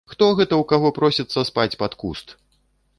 Хто гэта ў каго просіцца спаць пад куст!?